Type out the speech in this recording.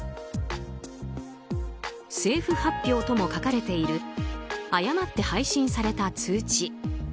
政府発表とも書かれている誤って配信された通知。